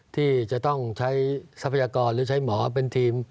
ที่จะต้องใช้ทรัพยากรหรือใช้หมอเป็นทีม